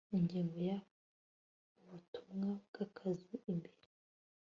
Ingingo ya Ubutumwa bw akazi imbere